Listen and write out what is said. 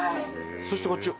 そしてこっちは。